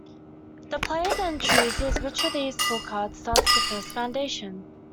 The player then chooses which of these four cards starts the first foundation.